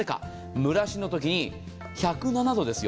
蒸らしのときに１０７度ですよ